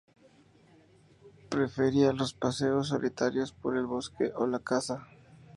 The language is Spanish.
Él prefería los paseos solitarios por el bosque o la caza.